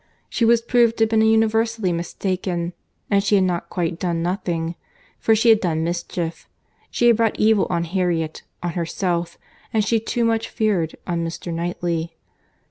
She was proved to have been universally mistaken; and she had not quite done nothing—for she had done mischief. She had brought evil on Harriet, on herself, and she too much feared, on Mr. Knightley.